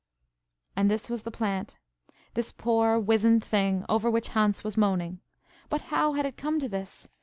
And this was the plant–this, poor wizened thing–over which Hans was moaning. But how had it come to this?